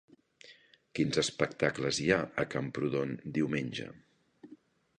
Quins espectacles hi ha a Camprodon diumenge?